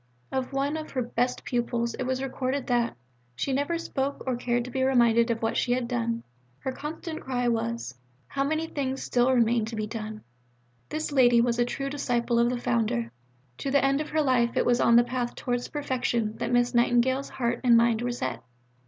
'" Of one of her best pupils it was recorded that "she never spoke or cared to be reminded of what she had done; her constant cry was 'How many things still remain to be done.'" This lady was a true disciple of the Founder. To the end of her life it was on the path towards perfection that Miss Nightingale's heart and mind were set.